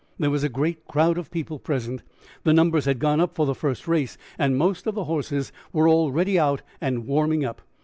There was a great crowd of people present, the numbers had gone up for the first race, and most of the horses were already out and "warming up."